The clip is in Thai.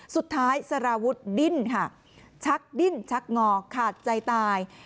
สารวุฒิดิ้นค่ะชักดิ้นชักงอขาดใจตาย